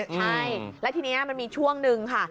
ใช่แล้วทีนี้มันมีช่วงนึงค่ะ